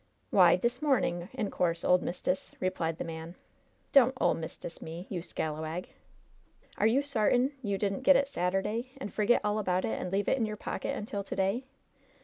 "W'y, dis momin', in course, ole mist'ess," replied the man. *T)on't 'ole mist'ess' me, you scalawag ! Are you sar tain you didn't get it Saturday, and forget all about it, and leave it in your pocket until to day